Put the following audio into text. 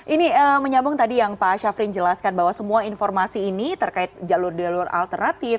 ini menyambung tadi yang pak syafrin jelaskan bahwa semua informasi ini terkait jalur jalur alternatif